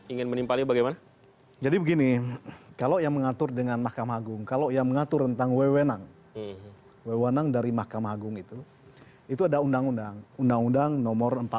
ini tanggapan berbeda dari bang taufik